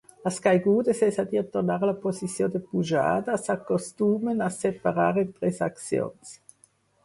Les "caigudes", és a dir, tornar a la posició de pujada, s'acostumen a separar en tres accions.